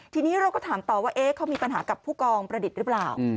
ทีนี้เราก็ถามต่อว่าเขามีปัญหากับผู้กองประดิษฐ์หรือเปล่า